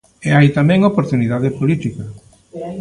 E hai tamén oportunidade política.